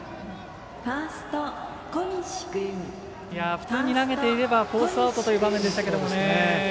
普通に投げていればフォースアウトという場面でしたけれどもね。